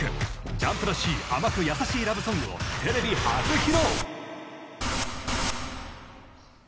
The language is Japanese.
ＪＵＭＰらしい甘く優しいラブソングをテレビ初披露！